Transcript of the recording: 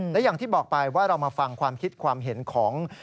และอย่างที่บอกไปว่าเรามาฟังความคิดความเห็นของ